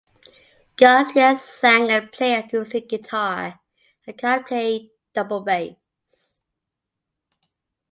Garcia sang and played acoustic guitar and Kahn played double bass.